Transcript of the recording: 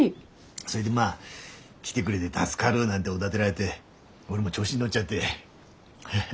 それでまあ来てくれで助かるなんておだでられで俺も調子に乗っちゃって。